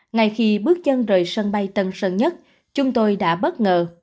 ngày khi bước chân rời sân bay tân sân nhất chúng tôi đã bất ngờ